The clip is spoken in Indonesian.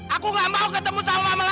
aku gak mau ketemu sama mama